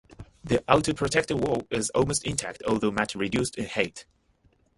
The outer protective wall is almost intact although much reduced in height.